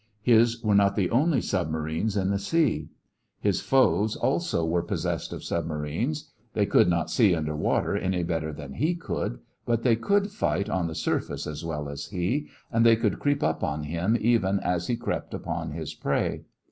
His were not the only submarines in the sea. His foes also were possessed of submarines. They could not see under water any better than he could, but they could fight on the surface as well as he, and they could creep up on him even as he crept up on his prey.